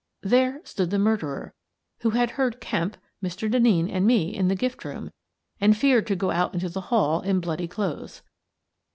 There stood the murderer, who had heard Kemp, Mr. Denneen, and me in the gift room and feared to go out into the hall in bloody clothes.